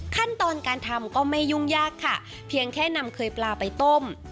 ขั้นตอนการทำก็ไม่ยุ่งยากค่ะเพียงแค่นำเคยปลาไปต้ม